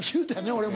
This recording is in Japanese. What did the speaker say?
俺も。